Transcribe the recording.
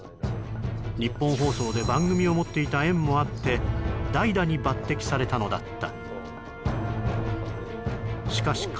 ニッポン放送で番組を持っていた縁もあって代打に抜擢されたのだった